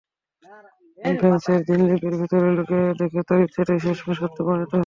An ফ্রাঙ্কের দিনলিপির ভেতরে লোকে দেখে তাঁর ইচ্ছাটাই শেষমেশ সত্যে পরিণত হয়েছে।